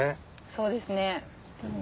そうですねでも。